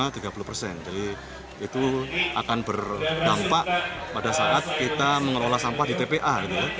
jadi itu akan berdampak pada saat kita mengelola sampah di tpa gitu ya